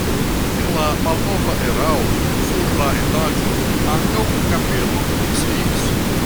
En la malnova erao sur la etaĝo ankaŭ kapelo funkciis.